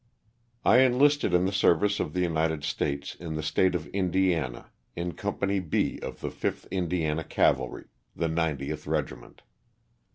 I ENLISTED in the service of the United States in * the State of Indiana, in Company B of the 5th Indiana Cavalry (the 90th Regiment).